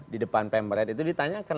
di depan pemret itu ditanyakan